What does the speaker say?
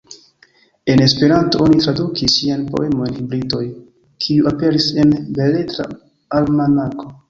En Esperanto oni tradukis ŝian poemon "Hibridoj", kiu aperis en Beletra Almanako.